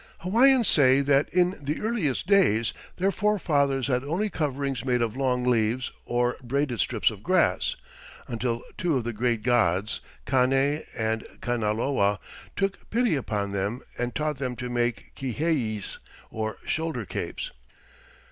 Hawaiians say that in the earliest days their forefathers had only coverings made of long leaves or braided strips of grass, until two of the great gods, Kane and Kanaloa, took pity upon them and taught them to make kiheis, or shoulder capes.